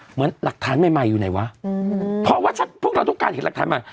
เหมือนหลักฐานใหม่ใหม่อยู่ไหนวะเพราะว่าพวกเราทุกการเห็นหลักฐานมา